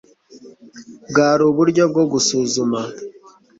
bwari uburyo bwo gusuzuma